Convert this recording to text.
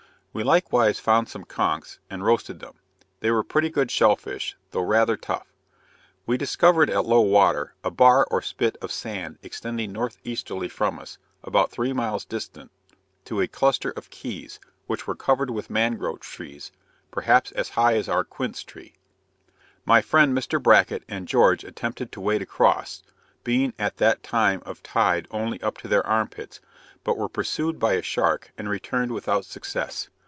We likewise found some konchs and roasted them; they were pretty good shell fish, though rather tough. We discovered at low water, a bar or spit of sand extending north easterly from us, about three miles distant, to a cluster of Keys, which were covered with mangrove trees, perhaps as high as our quince tree. My friend Mr. Bracket and George attempted to wade across, being at that time of tide only up to their armpits; but were pursued by a shark, and returned without success.